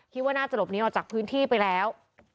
คิดว่าน่าจะหลบนี้ออกจากพื้นที่ไปแล้ว